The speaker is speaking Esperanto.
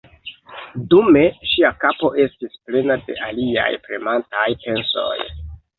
Dume ŝia kapo estis plena de aliaj premantaj pensoj.